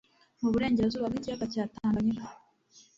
mu burengerazuba bw'ikiyaga cya Tanganyika.